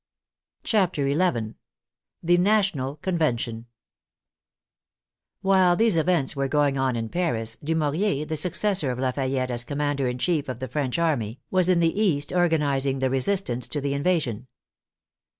CHAPTER XI THE NATIONAL CONVENTION While these events were going on in Paris, Dumouriez, the successor of Lafayette as commander in chief of the French army, was in the east organizing the resistance to the invasion.